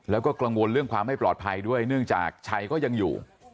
แล้วก็กังวลเรื่องความไม่ปลอดภัยด้วยเนื่องจากชัยก็ยังอยู่